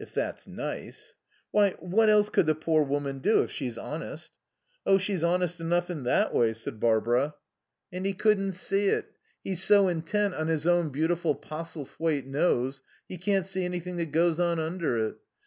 "If that's nice." "Why, what else could the poor woman do if she's honest?" "Oh, she's honest enough in that way," said Barbara. "And he couldn't see it. He's so intent on his own beautiful Postlethwaite nose, he can't see anything that goes on under it....